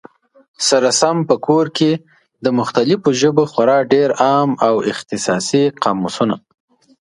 سره سم په کور کي، د مختلفو ژبو خورا ډېر عام او اختصاصي قاموسونه